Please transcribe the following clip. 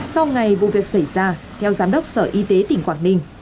sau ngày vụ việc xảy ra theo giám đốc sở y tế tỉnh quảng ninh